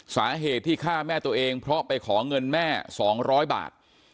สาเหตุที่ฆ่าแม่ตัวเองเพราะไปขอเงินแม่๒๐๐บาท